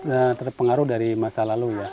ya mungkin itu tetap pengaruh dari masa lalu ya